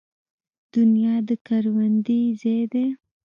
دنیا د کروندې ځای دی